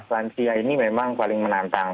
lansia ini memang paling menantang